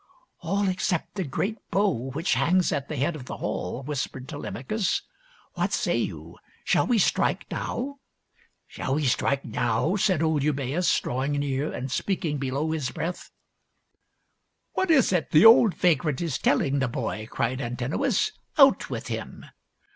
" All except the great bo'w which hangs at the head of the hall," whispered Telemachus. " What say you ? Shall we strike now ?"" Shall we strike now ?" said old Eumaeus, draw ing near and speaking below his breath. "What is it the old vagrant is telling the boy?" cried Antinous. " Out with him